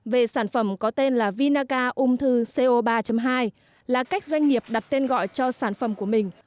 về sản phẩm có tên là vinaca ung thư co ba hai là cách doanh nghiệp đặt tên gọi cho sản phẩm của mình